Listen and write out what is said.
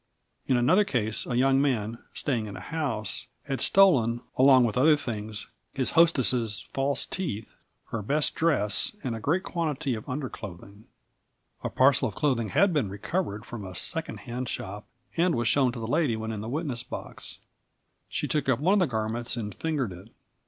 In another case, a young man, staying in a house, had stolen, along with other things, his hostess's false teeth, her best dress and a great quantity of underclothing. A parcel of clothing had been recovered from a second hand shop and was shown to the lady when in the witness box. She took up one of the garments and fingered it.